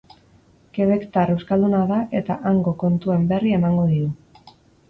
Quebectar euskalduna da eta hango kontuen berri emango diu.